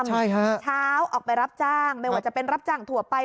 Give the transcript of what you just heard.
ใช่ฮะเช้าออกไปรับจ้างไม่ว่าจะเป็นรับจ้างถั่วไป